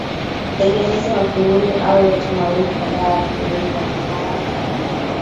utegemezi wa kimwili au yote mawili kwa dawa za kulevya ambayo